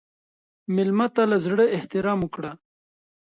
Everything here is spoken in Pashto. مېلمه ته له زړه احترام ورکړه.